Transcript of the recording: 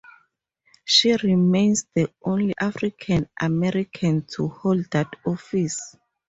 She remains the only African American to hold that office.